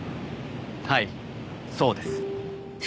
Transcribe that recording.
はいそうです